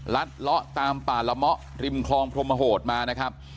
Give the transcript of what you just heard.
เลาะตามป่าละเมาะริมคลองพรมโหดมานะครับ